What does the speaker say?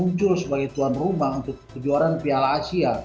untuk mencapai tuan rumah untuk kejuaraan piala asia